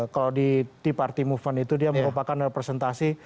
kalau di tea party movement itu dia merupakan representasi